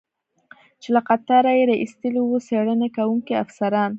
چې له قطاره یې را ایستلی و، څېړنې کوونکي افسران.